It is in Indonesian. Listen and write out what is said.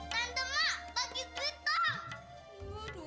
tante mak bagi duit dong